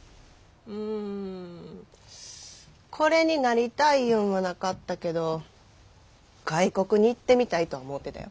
うんこれになりたいいうんはなかったけど外国に行ってみたいとは思うてたよ。